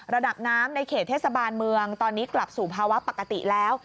ระดับน้ำในเขตเทศบาลเมืองตอนนี้กลับสู่ภาวะปกติแล้ว